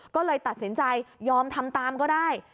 ก็เลยตัดสินใจยอมทำตามก็ได้